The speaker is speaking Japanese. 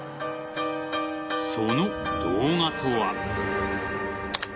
その動画とは。